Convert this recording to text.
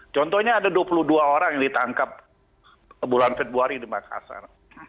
contohnya ada dua puluh dua orang yang ditangkap bulan februari di makassar